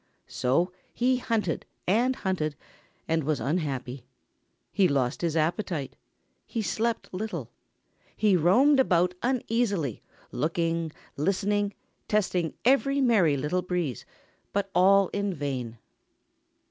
So he hunted and hunted and was unhappy. He lost his appetite. He slept little. He roamed about uneasily, looking, listening, testing every Merry Little Breeze, but all in vain.